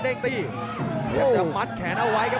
เด้งตีมันจะมัดแขนเอาไว้ครับ